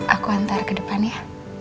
aku antar ke depan ya